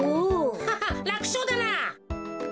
ハハッらくしょうだな。